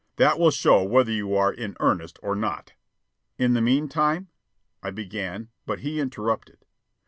That will show whether you are in earnest or not." "In the meantime " I began; but he interrupted.